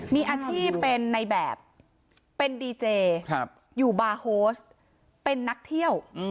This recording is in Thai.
มีอาชีพเป็นในแบบเป็นดีเจอยู่บาร์โฮสเป็นนักเที่ยว